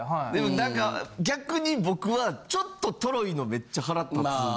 何か逆に僕はちょっととろいのめっちゃ腹立つんですよ。